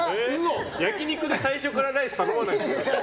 焼き肉で最初からライス頼まないでしょ。